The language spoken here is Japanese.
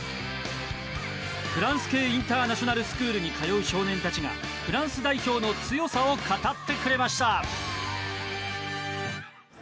フランス系インターナショナルスクールに通う少年たちがフランス代表の強さを語ってくれました。